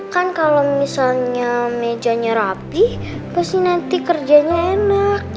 kan kalau misalnya mejanya rapih pasti nanti kerjanya enak